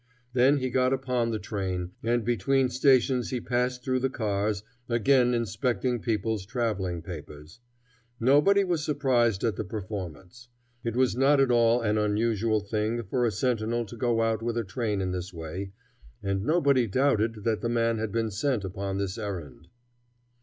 Then he got upon the train, and between stations he passed through the cars, again inspecting people's traveling papers. Nobody was surprised at the performance. It was not at all an unusual thing for a sentinel to go out with a train in this way, and nobody doubted that the man had been sent upon this errand.